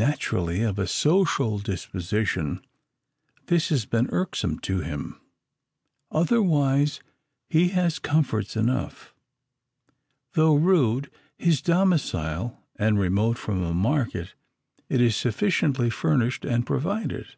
Naturally of a social disposition, this has been irksome to him. Otherwise, he has comforts enough. Though rude his domicile, and remote from a market, it is sufficiently furnished and provided.